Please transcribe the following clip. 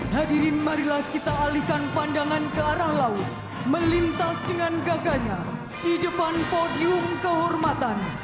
hadirin marilah kita alihkan pandangan ke arah laut melintas dengan gaganya di depan podium kehormatan